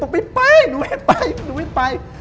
ไม่ไปหนูไม่ไปหนูไม่ไป